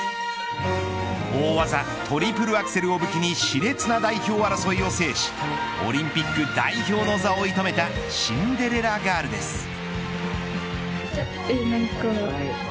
大技トリプルアクセルを武器に熾烈な代表争いを制しオリンピック代表の座を射止めたシンデレラガールです。